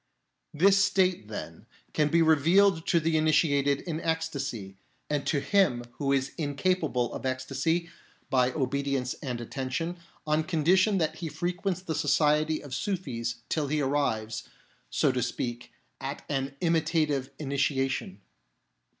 This state, then, can be revealed to the initiated in ecstasy, and to him who is incapable of ecstasy, by obedience and attention, on condition that he frequents the society of Sufis till he arrives, so to speak, at an imitative initiation.